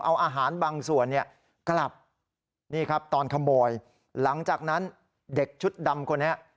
เอาอาหารบางส่วนเนี่ยกลับนี่ครับตอนขโมยหลังจากนั้นเด็กชุดดำคนนี้